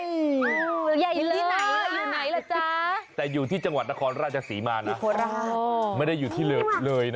ยายเลยอยู่ไหนล่ะจ๊ะแต่อยู่ที่จังหวัดนครราชศรีมานะไม่ได้อยู่ที่เลยนะ